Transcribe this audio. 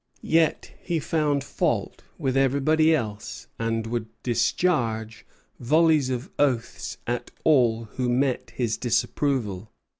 Yet he found fault with everybody else, and would discharge volleys of oaths at all who met his disapproval.